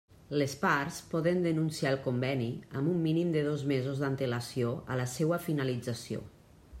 Les parts poden denunciar el Conveni amb un mínim de dos mesos d'antelació a la seua finalització.